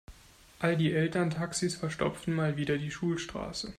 All die Elterntaxis verstopfen mal wieder die Schulstraße.